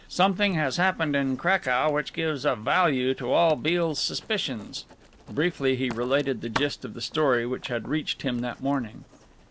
Something has happened in Cracow which gives a value to all Beale's suspicions." Briefly he related the gist of the story which had reached him that morning.